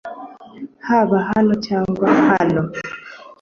haba hano cyangwa hano